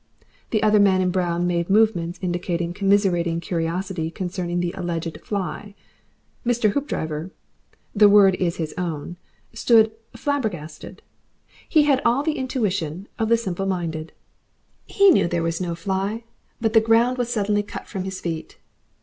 The other man in brown made movements indicating commiserating curiosity concerning the alleged fly. Mr. Hoopdriver the word is his own stood flabber gastered. He had all the intuition of the simple minded. He knew there was no fly. But the ground was suddenly cut from his feet.